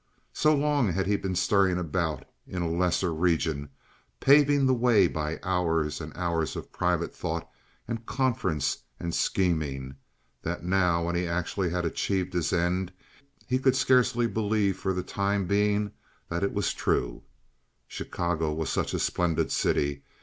So long had he been stirring about in a lesser region, paving the way by hours and hours of private thought and conference and scheming, that now when he actually had achieved his end he could scarcely believe for the time being that it was true. Chicago was such a splendid city.